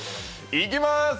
いきます。